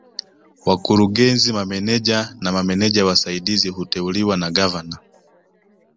Wakurugenzi Mameneja na Mameneja Wasaidizi huteuliwa na Gavana